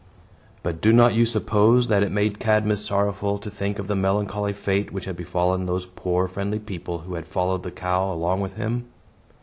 But do not you suppose that it made Cadmus sorrowful to think of the melancholy fate which had befallen those poor, friendly people, who had followed the cow along with him?